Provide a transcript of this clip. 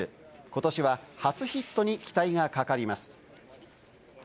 今年は初ヒットに期待がかかります。